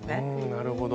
なるほど。